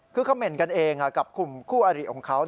คือคำเหน่นกันเองกับกลุ่มคู่อริของเขา